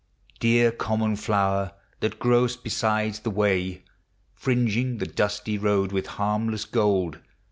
Dear common flower, that grow'st beside the way, Fringing the dusty road with harmless gold!